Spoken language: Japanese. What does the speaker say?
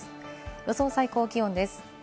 予想最高気温です。